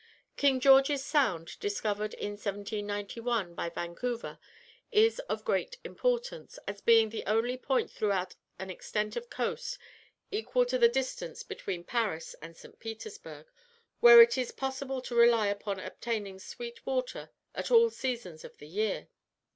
King George's Sound, discovered in 1791 by Vancouver, is of great importance, as being the only point throughout an extent of coast equal to the distance between Paris and St. Petersburg where it is possible to rely upon obtaining sweet water at all seasons of the year.